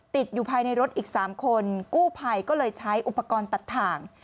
ติดอยู่ภายในรถอีก๓คนกู้ภัยก็เลยใช้อุปกรณ์ตัดถ่าง